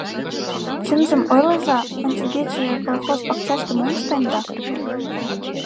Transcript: — Чынжым ойлыза, ончыгече колхоз пакчаште мом ыштенда?